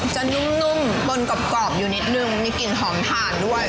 นุ่มปนกรอบอยู่นิดนึงมีกลิ่นหอมถ่านด้วย